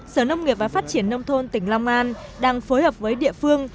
sở nông nghiệp và phát triển đông thôn tỉnh long an đã phối hợp với các địa phương